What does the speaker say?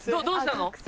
どうしたの？